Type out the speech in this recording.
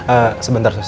eh sebentar sus